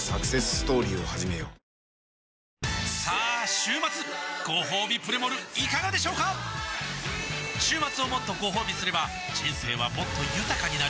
週末ごほうびプレモルいかがでしょうか週末をもっとごほうびすれば人生はもっと豊かになる！